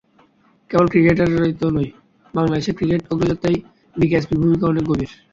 কেবল ক্রিকেটারই তো নয়, বাংলাদেশের ক্রিকেট অগ্রযাত্রায় বিকেএসপির ভূমিকা অনেক গভীর।